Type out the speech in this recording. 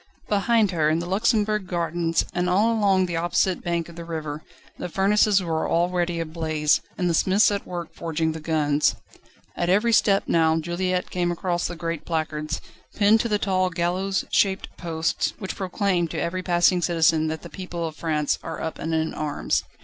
Behind her, in the Luxembourg Gardens, and all along the opposite bank of the river, the furnaces were already ablaze, and the smiths at work forging the guns. At every step now Juliette came across the great placards, pinned to the tall gallows shaped posts, which proclaim to every passing citizen, that the people of France are up and in arms.